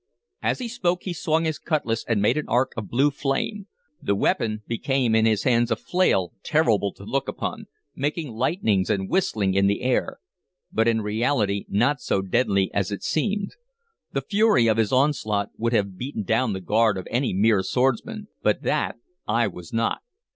As he spoke he swung his cutlass and made an arc of blue flame. The weapon became in his hands a flail, terrible to look upon, making lightnings and whistling in the air, but in reality not so deadly as it seemed. The fury of his onslaught would have beaten down the guard of any mere swordsman, but that I was not.